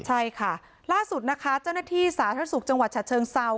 ใช่ค่ะล่าสุดนะคะเจ้าหน้าที่สาธารณสุขจังหวัดฉะเชิงเซา